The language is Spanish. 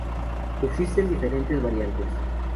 Existen diferentes variantes.